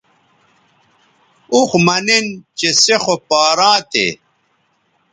اوخ مہ نِن چہ سے خو پاراں تھے